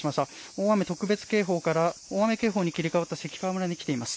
大雨特別警報から大雨警報に切り替わった関川村にきています。